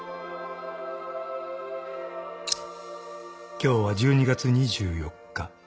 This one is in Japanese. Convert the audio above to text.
［今日は１２月２４日］